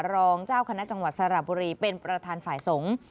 รองเจ้าคณะจังหวัดสระบุรีเป็นประธานฝ่ายสงฆ์